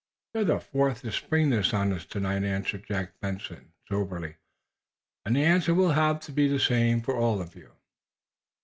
"You're the fourth to spring this on us tonight," answered Jack Benson, soberly. "And the answer will have to be the same for all of you."